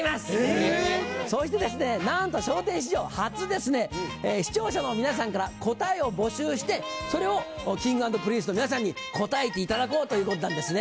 そしてなんと笑点史上初ですね、視聴者の皆さんから、答えを募集して、それをＫｉｎｇ＆Ｐｒｉｎｃｅの皆さんに答えていただこうということなんですね。